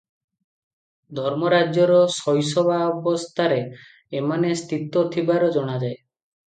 ଧର୍ମରାଜ୍ୟର ଶୈଶବାବସ୍ଥାରେ ଏମାନେ ସ୍ଥିତ ଥିବାର ଜଣାଯାଏ ।